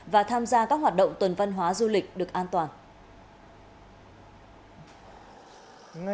và tham gia các hoạt động tuần văn hóa du lịch được an toàn